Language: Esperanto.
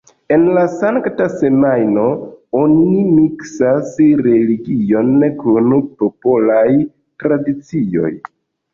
En la Sankta Semajno oni miksas religion kun popolaj tradicioj.